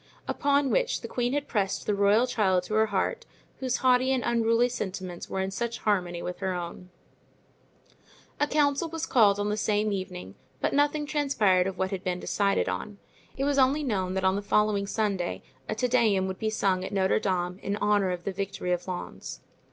Upon which the queen had pressed the royal child to her heart, whose haughty and unruly sentiments were in such harmony with her own. A council was called on the same evening, but nothing transpired of what had been decided on. It was only known that on the following Sunday a Te Deum would be sung at Notre Dame in honor of the victory of Lens.